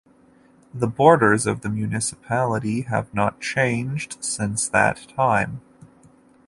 The borders of the municipality have not changed since that time.